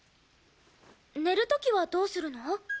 寝る時はどうするの？